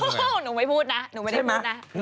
หนูไม่พูดนะ